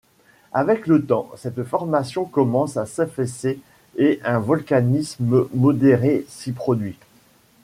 Avec le temps, cette formation commence à s'affaisser, et un volcanisme modéré s'y produit.